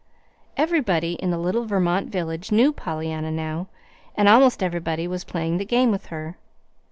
Everybody in the little Vermont village knew Pollyanna now, and almost everybody was playing the game with her.